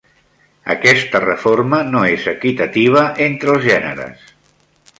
Aquesta reforma no és equitativa entre els gèneres.